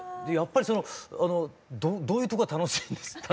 でやっぱりそのどういうとこが楽しいんです？